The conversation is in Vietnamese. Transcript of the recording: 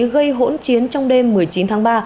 gây hỗn chiến trong đêm một mươi chín tháng ba